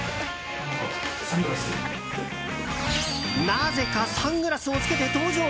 なぜかサングラスを着けて登場。